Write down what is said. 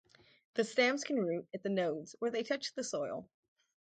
The stems can root at the nodes where they touch the soil.